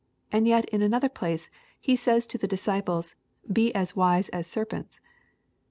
And yet in another place He says to the disciples, " Be wise as serpents."